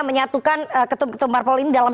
menyatukan ketua umum partai ini dalam